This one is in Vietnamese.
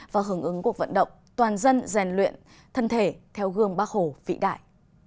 và hưởng ứng cuộc vận động toàn dân rèn luyện thân thể theo gương bác hồ vĩ đại